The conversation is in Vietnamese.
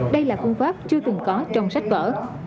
đây là phương pháp chưa từng có trong sách cỡ